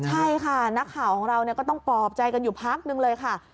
ใช่ค่ะนักข่าวของเราก็ต้องปลอบใจกันอยู่พักนึงเลยค่ะ